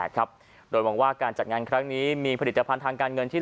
ครับโดยหวังว่าการจัดงานครั้งนี้มีผลิตภัณฑ์ทางการเงินที่